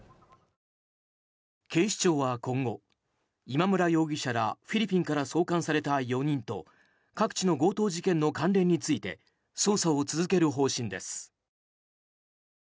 警視庁は今後、今村容疑者らフィリピンから送還された４人と各地の強盗事件との関連について捜査を続ける方針です。